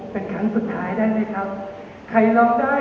ไม่เธอเตรียมหัวใจรับเรื่องอย่างนี้